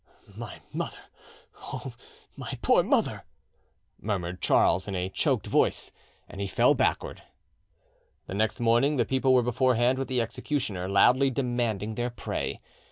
"My mother!—oh, my poor mother!" murmured Charles in a choked voice, and he fell backward. The next morning the people were beforehand with the executioner, loudly demanding their prey.